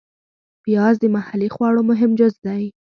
پیاز د محلي خواړو مهم جز دی